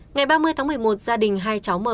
ngày ba mươi tháng một mươi một gia đình hai cháu m